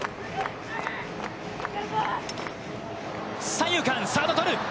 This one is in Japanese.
三遊間、サード捕る。